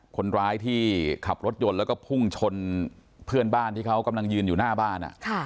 คนร้ายที่ขับรถยนต์แล้วก็พุ่งชนเพื่อนบ้านที่เขากำลังยืนอยู่หน้าบ้าน